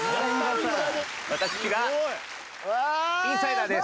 私がインサイダーです。